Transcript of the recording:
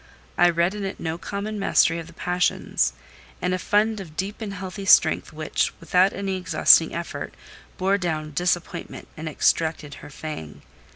I read in it no common mastery of the passions, and a fund of deep and healthy strength which, without any exhausting effort, bore down Disappointment and extracted her fang.